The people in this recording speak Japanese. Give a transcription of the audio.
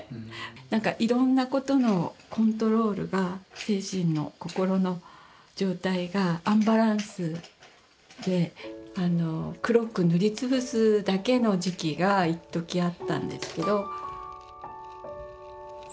何かいろんなことのコントロールが精神の心の状態がアンバランスで黒く塗りつぶすだけの時期がいっときあったんですけど。